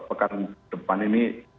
pekan depan ini